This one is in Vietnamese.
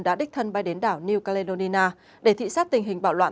đã đích thân bay đến đảo new caledoniana để thị xác tình hình bạo loạn